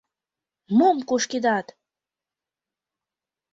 — Мом кушкедат!